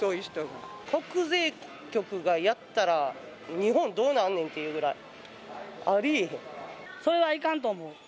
国税局がやったら日本、どうなんねんっていうぐらい、ありえへん。